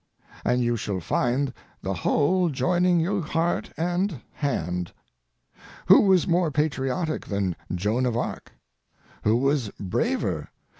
And you shall find the whole joining you heart and hand. Who was more patriotic than Joan of Arc? Who was braver?